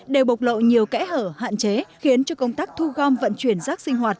đều bộc lộ nhiều kẽ hở hạn chế khiến cho công tác thu gom vận chuyển rác sinh hoạt